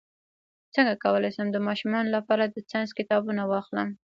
څنګه کولی شم د ماشومانو لپاره د ساینس کتابونه واخلم